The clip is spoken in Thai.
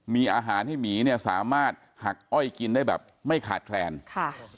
มีอาหารให้หมีเนี่ยสามารถหักอ้อยกินได้แบบไม่ขาดแคลนค่ะ